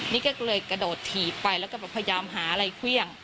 นี่ก็เลยกระโดดถีบไปแล้วก็พยายามหาอะไรเครื่อง